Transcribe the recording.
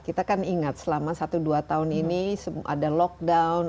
kita kan ingat selama satu dua tahun ini ada lockdown